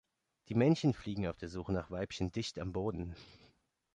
Die Männchen fliegen auf der Suche nach Weibchen dicht am Boden.